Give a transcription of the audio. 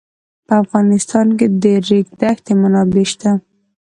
په افغانستان کې د د ریګ دښتې منابع شته.